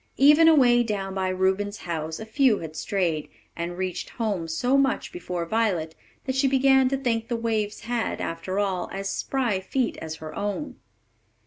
Even away down by Reuben's house a few had strayed, and reached home so much before Violet that she began to think the waves had, after all, as spry feet as her own.